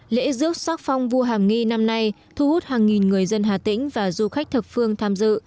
lễ rước sắc phong vua hàm nghi năm nay thu hút hàng nghìn người dân hà tĩnh và du khách thập phương tham dự